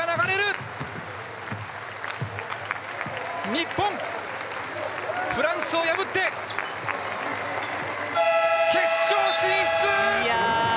日本、フランスを破って決勝進出！